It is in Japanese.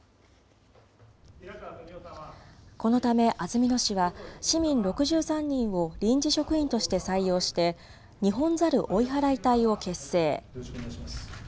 このため安曇野市は、市民６３人を臨時職員として採用して、ニホンザル追い払い隊を結成。